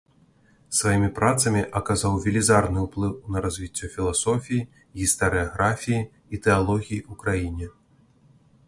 Сваімі працамі аказаў велізарны ўплыў на развіццё філасофіі, гістарыяграфіі і тэалогіі ў краіне.